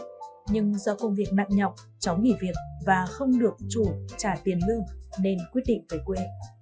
nhưng do công việc nặng nhọc cháu nghỉ việc và không được chủ trả tiền lương nên quyết định về quê